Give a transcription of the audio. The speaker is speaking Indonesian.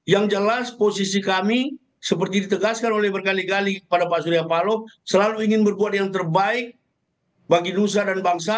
yang jelas posisi kami seperti ditegaskan oleh berkali kali kepada pak surya paloh selalu ingin berkuat yang terbaik bagi nusa dan bangsa